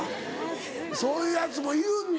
そういうヤツもいるんだ。